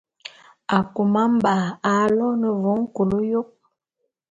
Akôma-Mba aloene wo nkôl yôp.